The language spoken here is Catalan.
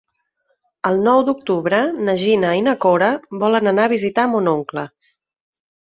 El nou d'octubre na Gina i na Cora volen anar a visitar mon oncle.